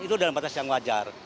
itu dalam batas yang wajar